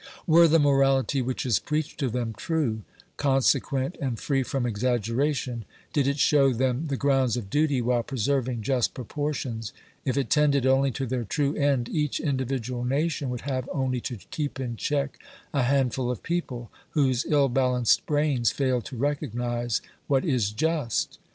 Were the morality which is preached to them true, conse quent and free from exaggeration ; did it show them the grounds of duty while preserving just proportions ; if it tended only to their true end, each individual nation would have only to keep in check a handful of people whose ill balanced brains fail to recognise what is just.